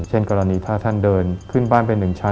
เช่นกรณีถ้าท่านเดินขึ้นบ้านไปหนึ่งชั้น